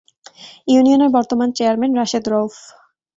ইউনিয়নের বর্তমান চেয়ারম্যান রাশেদ রউফ।